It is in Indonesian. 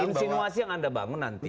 insinuasi yang anda bangun nanti